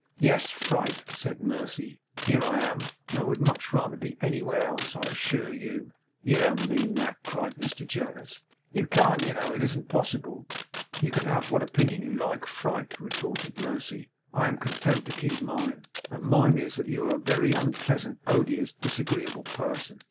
'Yes, fright,' said Mercy, 'here I am; and I would much rather be anywhere else, I assure you.' 'You don't mean that,' cried Mr Jonas. 'You can't, you know. It isn't possible.' 'You can have what opinion you like, fright,' retorted Mercy. 'I am content to keep mine; and mine is that you are a very unpleasant, odious, disagreeable person.